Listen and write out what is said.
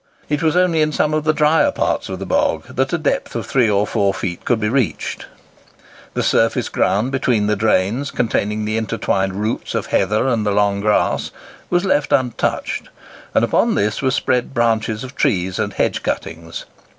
It was only in some of the drier parts of the bog that a depth of three or four feet could be reached. The surface ground between the drains, containing the intertwined roots of heather and long grass, was left untouched, and upon this was spread branches of trees and hedge cuttings.